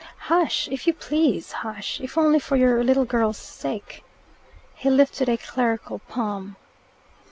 "Hush! if you please, hush! if only for your little girl's sake." He lifted a clerical palm.